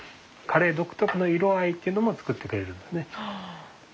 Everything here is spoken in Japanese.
カレー独特の色合いっていうのも作ってくれるんですね。